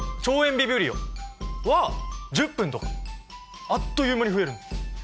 ビブリオは１０分とかあっという間に増えるんだ。